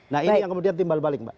nah ini yang kemudian timbal balik mbak